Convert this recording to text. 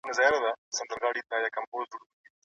که تعلیم وي نو ټولنه نه خرابیږي.